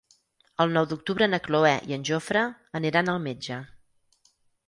El nou d'octubre na Cloè i en Jofre aniran al metge.